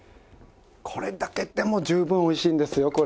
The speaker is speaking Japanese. これだけでも十分おいしいんですよ